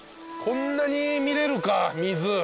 こんなに見れるか水。